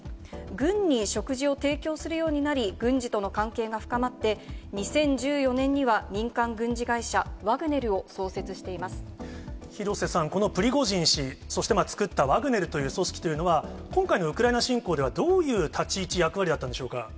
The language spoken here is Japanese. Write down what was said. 軍に食事を提供するようになり、軍事との関係が深まって、２０１４年には民間軍事会社、廣瀬さん、このプリゴジン氏、そして、作ったワグネルという組織というのは、今回のウクライナ侵攻ではどういう立ち位置、役割だったんでしょうか。